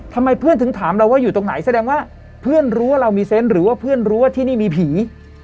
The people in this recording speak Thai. ทำไมเพื่อนถึงถามเราว่าอยู่ตรงไหนแสดงว่าเพื่อนรู้ว่าเรามีเซนต์หรือว่าเพื่อนรู้ว่าที่นี่มีผี